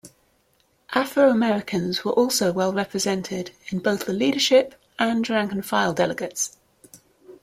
Afro-Americans were also well represented in both the leadership and rank-and-file delegates.